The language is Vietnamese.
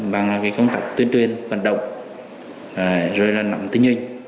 bằng cái công tác tuyên truyền vận động rồi là nắm tinh hình